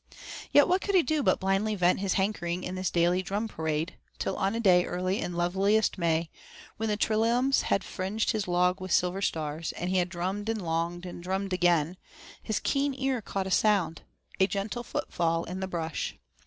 Yet what could he do but blindly vent his hankering in this daily drum parade, till on a day early in loveliest May, when the trilliums had fringed his log with silver stars, and he had drummed and longed, then drummed again, his keen ear caught a sound, a gentle footfall in the brush.